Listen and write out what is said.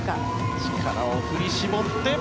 力を振り絞って。